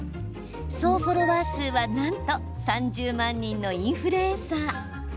総フォロワー数はなんと３０万人のインフルエンサー。